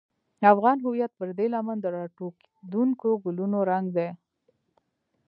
افغان هویت پر دې لمن د راټوکېدونکو ګلونو رنګ دی.